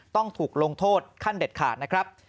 ต้องถูกลงโทษขั้นเด็ดขาดนะครับ